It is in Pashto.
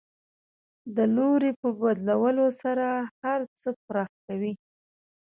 د لوري په بدلولو سره هر څه پراخ کوي.